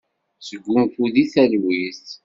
Sgunfu deg talwit.